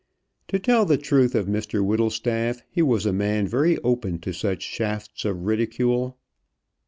To tell the truth of Mr Whittlestaff, he was a man very open to such shafts of ridicule.